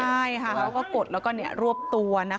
ใช่ค่ะเขาก็กดแล้วก็รวบตัวนะคะ